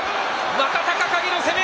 若隆景の攻め。